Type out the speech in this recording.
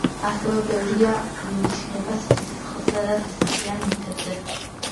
ასევე ბევრია მინიშნება სისხლზე და სისხლიან ნივთებზე.